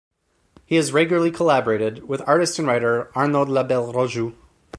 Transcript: He has regularly collaborated with artist and writer Arnaud Labelle-Rojoux.